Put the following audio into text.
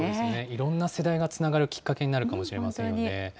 いろんな世代がつながるきっかけになるかもしれませんよね。